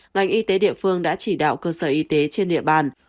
ngành y tế địa phương đã chỉ đạo cơ sở y tế trên địa bàn